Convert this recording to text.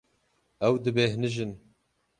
Ew dibêhnijin.